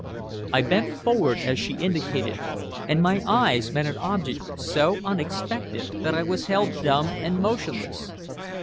I bent forward as she indicated, and my eyes met an object so unexpected that I was held dumb and motionless.